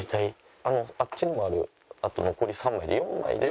あのあっちにもあるあと残り３枚で４枚で。